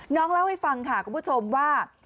เล่าให้ฟังค่ะคุณผู้ชมว่า